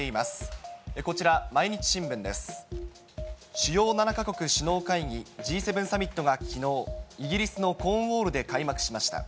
主要７か国首脳会議・Ｇ７サミットがきのう、イギリスのコーンウォールで開幕しました。